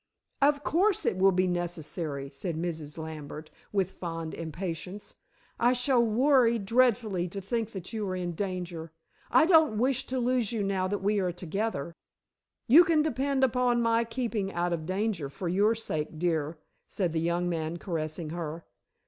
"Of course it will be necessary," said Mrs. Lambert with fond impatience. "I shall worry dreadfully to think that you are in danger. I don't wish to lose you now that we are together." "You can depend upon my keeping out of danger, for your sake, dear," said the young man, caressing her.